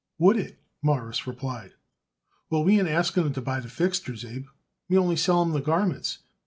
"Would it?" Morris replied. "Well, we ain't asking 'em to buy the fixtures, Abe; we only sell 'em the garments.